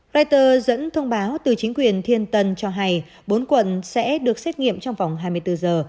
reuters dẫn thông báo từ chính quyền thiên tân cho hay bốn quận sẽ được xét nghiệm trong vòng hai mươi bốn giờ